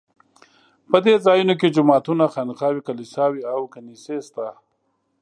په دې ځایونو کې جوماتونه، خانقاوې، کلیساوې او کنیسې شته.